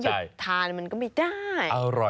จะให้ยกทานก็ไม่ได้ถูกเวลาคุยนะ